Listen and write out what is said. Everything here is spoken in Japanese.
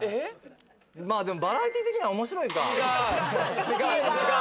まあでもバラエティ的には面白いか。